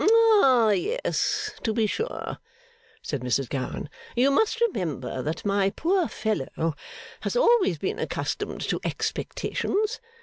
'Ah! Yes, to be sure!' said Mrs Gowan. 'You must remember that my poor fellow has always been accustomed to expectations.